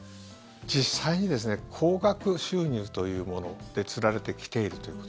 実際にですね高額収入というもので釣られてきているということ。